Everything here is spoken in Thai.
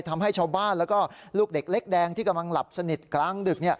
ทำให้ชาวบ้านแล้วก็ลูกเด็กเล็กแดงที่กำลังหลับสนิทกลางดึก